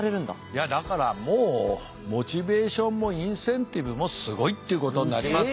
いやだからもうモチベーションもインセンティブもすごいっていうことになりますから。